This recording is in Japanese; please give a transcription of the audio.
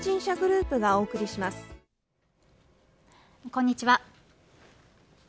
こんにちは。